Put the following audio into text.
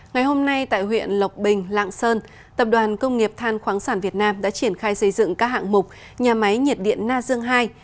ngày hôm nay tại huyện lộc bình lạng sơn tập đoàn công nghiệp than khoáng sản việt nam đã triển khai xây dựng các hạng mục nhà máy nhiệt điện na dương ii